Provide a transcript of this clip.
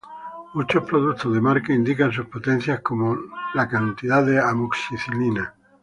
Muchos productos de marca indican sus potencias como la cantidad de amoxicilina.